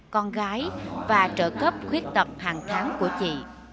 con gái và trợ cấp khuyết tật hàng tháng của chị